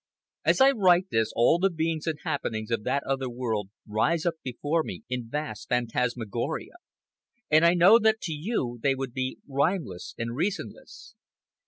As I write this, all the beings and happenings of that other world rise up before me in vast phantasmagoria, and I know that to you they would be rhymeless and reasonless.